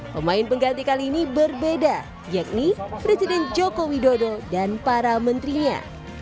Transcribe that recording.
pemain pengganti kali ini berbeda yakni presiden joko widodo dan para menterinya